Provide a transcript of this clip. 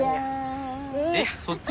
えっそっち？